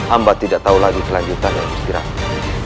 amba tidak tahu lagi kelanjutan dari gus piratu